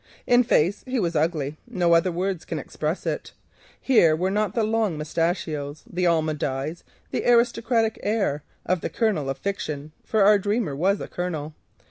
In face he was ugly, no other word can express it. Here were not the long mustachios, the almond eyes, the aristocratic air of the Colonel of fiction—for our dreamer was a Colonel.